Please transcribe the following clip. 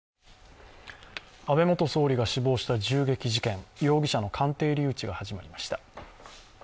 安倍元総理が死亡した銃撃事件、容疑者の鑑定留置が始まりました。